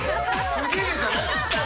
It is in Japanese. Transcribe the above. すげえじゃない。